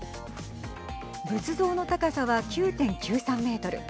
仏像の高さは９．９３メートル。